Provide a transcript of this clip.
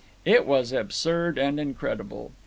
It was absurd and incredible.